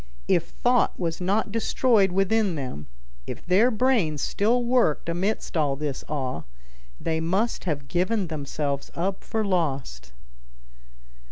If thought was not destroyed within them, if their brains still worked amid all this awe, they must have given themselves up for lost.